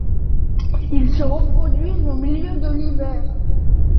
Ils se reproduisent au milieu de l'hiver.